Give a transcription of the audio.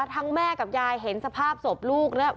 แม่กับยายเห็นสภาพศพลูกแล้ว